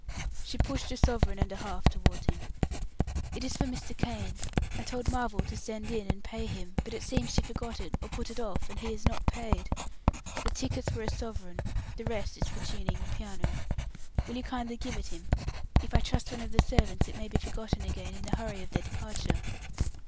She pushed a sovereign and a half toward him. "It is for Mr. Kane. I told Marvel to send in and pay him, but it seems she forgot it, or put it off, and he is not paid. The tickets were a sovereign; the rest is for tuning the piano. Will you kindly give it him? If I trust one of the servants it may be forgotten again in the hurry of their departure."